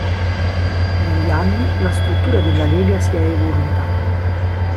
Negli anni la struttura della lega si è evoluta.